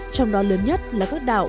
trong đó lớn nhất là các đảo